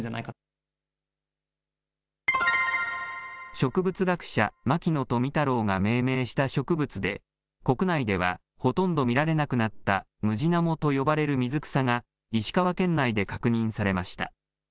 植物学者、牧野富太郎が命名した植物で、国内ではほとんど見られなくなったムジナモと呼ばれる水草が石川県内で確認されました。